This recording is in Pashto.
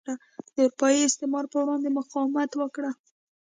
د اروپايي استعمار پر وړاندې مقاومت وکړي.